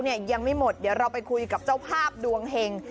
ยังไม่หมดเดี๋ยวเราไปคุยกับเจ้าภาพดวงเห็ง